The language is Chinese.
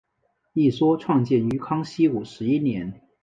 一说创建于康熙五十一年。